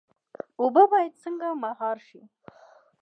اوبه باید څنګه مهار شي؟